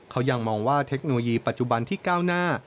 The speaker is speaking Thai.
เขายังมองว่าเทคโนโลยีปัจจุบันที่ก้าวหน้า